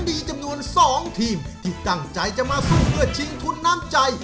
มีจำนวน๒ทีมที่ตั้งใจจะมาสู้เพื่อชิงทุนน้ำใจ